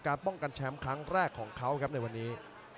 ป้องกันแชมป์ครั้งแรกของเขาครับในวันนี้